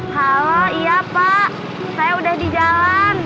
halo iya pak saya udah di jalan